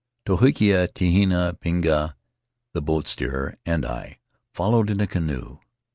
Tohetika, Tehina, Pinga (the boat steerer), and I followed in a canoe.